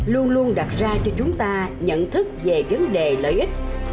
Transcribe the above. luôn luôn đặt ra cho chúng ta nhận thức về vấn đề lợi ích